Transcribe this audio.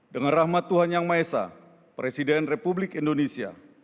dengan rahmat tuhan yang maha esa presiden republik indonesia